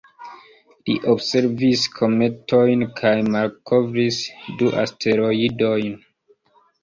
Li observis kometojn kaj malkovris du asteroidojn.